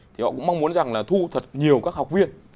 thì họ cũng mong muốn rằng là thu thật nhiều các học viên